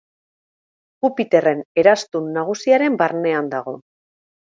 Jupiterren eraztun nagusiaren barnean dago.